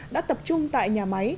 đã tập trung tại nhà máy